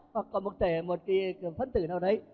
hoặc có một cái phấn tử nào đấy